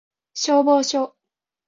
消防署